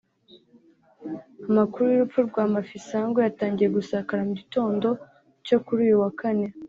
Amakuru y’urupfu rwa Mafisango yatangiye gusakara mu gitondo cyo kuri uyu wa kane